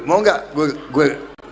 mau gak gue